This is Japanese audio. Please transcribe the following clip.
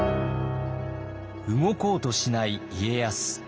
動こうとしない家康。